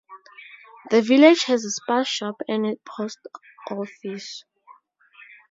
The village has a Spar shop and a post office.